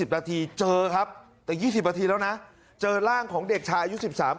นาทีเจอครับแต่๒๐นาทีแล้วนะเจอร่างของเด็กชายอายุ๑๓ปี